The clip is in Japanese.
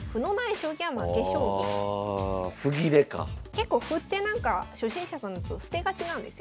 結構歩ってなんか初心者さんだと捨てがちなんですよ。